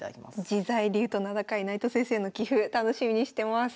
自在流と名高い内藤先生の棋譜楽しみにしてます。